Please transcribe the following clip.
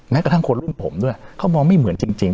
กระทั่งคนรุ่นผมด้วยเขามองไม่เหมือนจริง